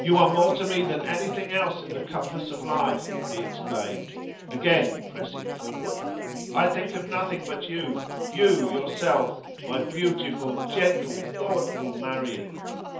'You are more to me than anything else in the compass of life!' he exclaimed, again pressing forward. 'I think of nothing but you you yourself my beautiful, gentle, thoughtful Marian!